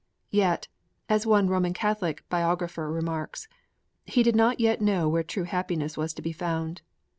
'Yet,' as one Roman Catholic biographer remarks, 'he did not yet know where true happiness was to be found.'